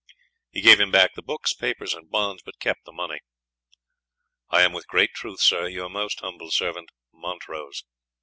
He gave him back the books, papers, and bonds, but kept the money. "I am, with great truth, Sir, "your most humble servant, "MONTROSE."